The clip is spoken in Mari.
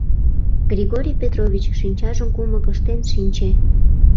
Григорий Петрович, шинчажым кумык ыштен, шинче.